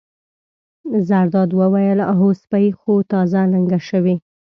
زرداد وویل: هو سپۍ خو تازه لنګه شوې.